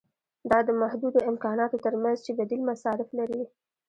دا د محدودو امکاناتو ترمنځ چې بدیل مصارف لري.